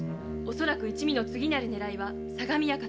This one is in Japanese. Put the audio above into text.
恐らく一味の次なる狙いは相模屋かと。